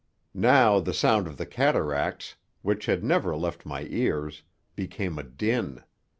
Now the sound of the cataracts, which had never left my ears, became a din.